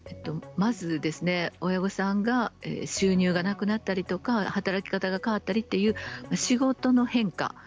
まず親御さんが収入がなくなったり働き方が変わったり、仕事の変化